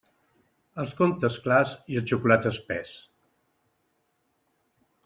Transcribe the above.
Els comptes, clars, i el xocolate, espés.